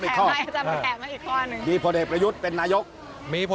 นะครับโดนใจตรงจุดตอบโจทย์มากที่สุด